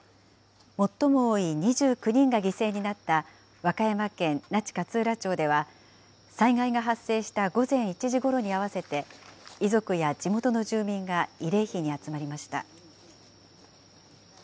最も多い２９人が犠牲になった和歌山県那智勝浦町では、災害が発生した午前１時ごろに合わせて、遺族や地元の住民が慰霊碑に集まりました。